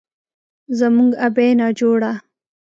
زموږ ابۍ ناجوړه،